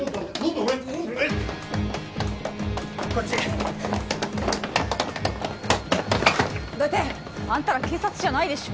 どいて。あんたら警察じゃないでしょ。